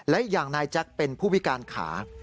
และอย่างนายแจ็คเป็นผู้พิการขา